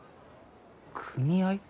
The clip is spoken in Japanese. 組合？